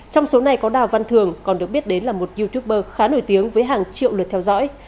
trong số này có đào văn thường còn được biết đến là một youtuber khá nổi tiếng với hàng triệu lượt theo dõi